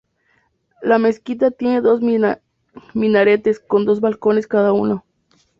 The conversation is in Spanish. La mezquita tiene dos minaretes con dos balcones cada uno.